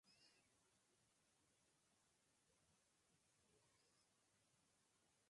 El suceso causó gran disgusto en varios medios de comunicación, principalmente culturales.